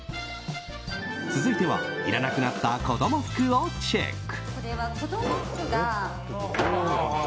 続いてはいらなくなった子供服をチェック。